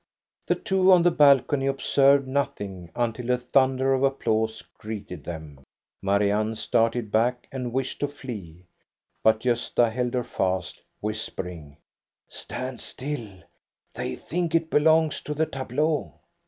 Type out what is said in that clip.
The two on the balcony observed nothing until a thunder of applause greeted them. Marianne started back and wished to flee, but Gosta held her fast, whispering :—" Stand still ; they think it belongs to the tableau."